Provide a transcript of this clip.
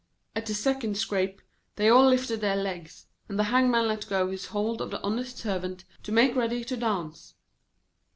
At the second scrape, they all lifted their legs, and the Hangman let go his hold of the honest Servant, to make ready to dance.